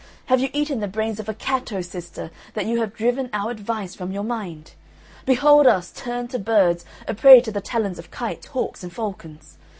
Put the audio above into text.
Have you eaten the brains of a cat, O sister, that you have driven our advice from your mind? Behold us, turned to birds, a prey to the talons of kites, hawks, and falcons!